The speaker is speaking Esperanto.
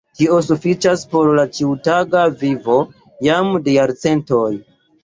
Tio sufiĉas por la ĉiutaga vivo jam de jarcentoj.